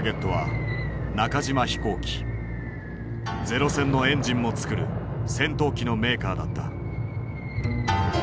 ゼロ戦のエンジンもつくる戦闘機のメーカーだった。